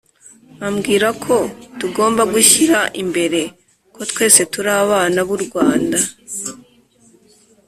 ambwira ko tugomba gushyira imbere ko twese turi abana b'u rwanda